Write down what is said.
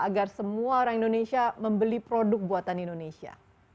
agar semua orang indonesia membeli produk buatan indonesia